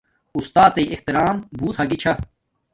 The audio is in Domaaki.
اُستات تݵ احترام بوت ھاگی چھا